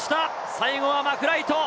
最後はマクライト。